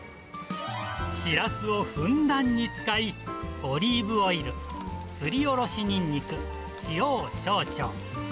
シラスをふんだんに使い、オリーブオイル、すりおろしニンニク、塩を少々。